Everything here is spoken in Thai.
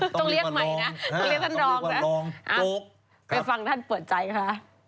ต้องเรียกใหม่นะต้องเรียกว่าลองต้องเรียกว่าลองโจ๊กครับไปฟังท่านเปิดใจค่ะ